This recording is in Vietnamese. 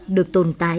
được tồn tại